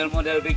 oke makasih pak